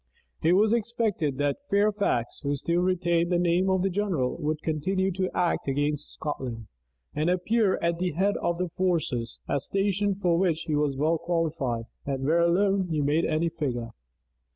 It was expected that Fairfax, who still retained the name of general, would continue to act against Scotland, and appear at the head of the forces; a station for which he was well qualified, and where alone he made any figure.